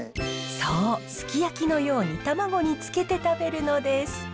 そうすき焼きのように卵につけて食べるのです。